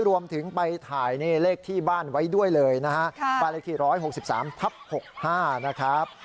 รวมถึงไปถ่ายเลขที่บ้านไว้ด้วยเลยนะฮะปาริกิ๑๖๓ทับ๖๕นะครับ